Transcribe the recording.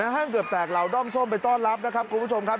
ห้างเกือบแตกเหล่าด้อมส้มไปต้อนรับนะครับคุณผู้ชมครับ